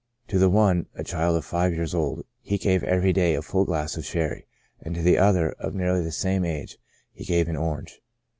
To the one, a child of five years old, he gave every day a full glass of sherry ; to the other, of nearly the same age, he gave an orange.